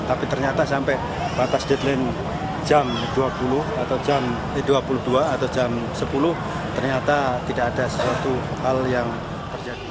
tapi ternyata sampai batas deadline jam dua puluh atau jam dua puluh dua atau jam sepuluh ternyata tidak ada sesuatu hal yang terjadi